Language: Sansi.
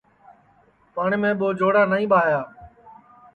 پٹؔ میں ٻو جوڑا نائی ٻایا